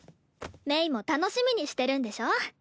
鳴も楽しみにしてるんでしょ？